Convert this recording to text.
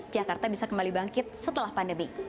jakarta bisa kembali bangkit setelah pandemi